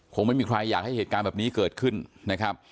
คงไม่มีใครอยากให้เหตุการณ์แบบนี้เกิดขึ้นนะครับ